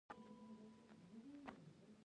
بل ټکټ به په خپل لګښت واخلم.